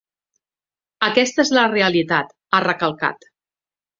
Aquesta és la realitat, ha recalcat.